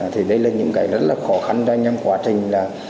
thì đây là những cái rất là khó khăn trong quá trình là